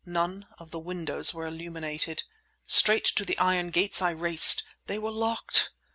None of the windows were illuminated. Straight up to the iron gates I raced. They were locked!